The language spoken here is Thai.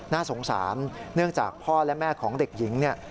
น่าสงสารเนื่องจากพ่อและแม่ของเด็กหญิงเนี่ย